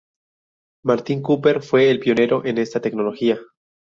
Martin Cooper fue el pionero en esta tecnología.